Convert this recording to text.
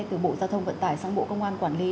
từ bộ giao thông vận tải sang bộ công an quản lý